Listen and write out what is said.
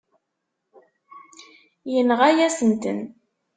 Yenɣa-yasen-ten.